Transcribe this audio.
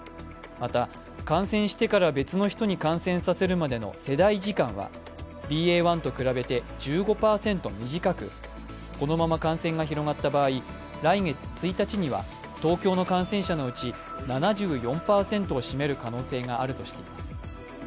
また、感染してから別の人に感染させるまでの世代時間は、ＢＡ．１と比べて１５％短くこのまま感染が広がった場合、来月１日には東京の感染者のうち７４％を占める可能性があるとしています。